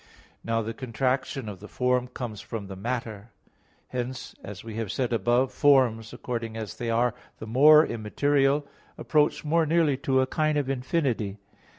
Now the contraction of the form comes from the matter. Hence, as we have said above (Q. 7, A. 1) forms according as they are the more immaterial, approach more nearly to a kind of infinity.